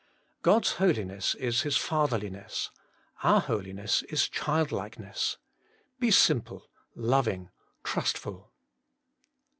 God's Holiness is His fatherliness ; our holiness is childlikeness. Be simple, louing, trustful.